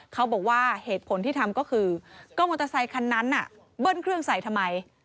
เขาบอกว่าเหตุผลที่ทำก็คือก็มอเตอร์ไซคันนั้นน่ะเบิ้ลเครื่องใส่ทำไม